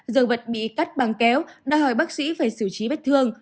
dương vật bị cắt bằng kéo đòi hỏi bác sĩ phải xử trí bất thương